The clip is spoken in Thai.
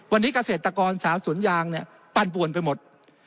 วันนี้เกษตรกรสาวสวนยางเนี่ยปั่นป่วนไปหมด